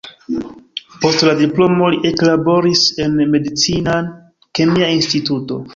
Post la diplomo li eklaboris en medicina-kemia instituto.